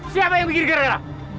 siapa yang bikin gara gara